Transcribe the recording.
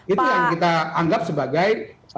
itu yang kita anggap sebagai